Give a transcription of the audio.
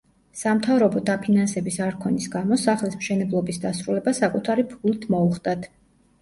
სამთავრობო დაფინანსების არქონის გამო სახლის მშენებლობის დასრულება საკუთარი ფულით მოუხდათ.